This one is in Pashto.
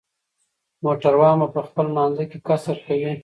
موټروان به په خپل لمانځه کې قصر کوي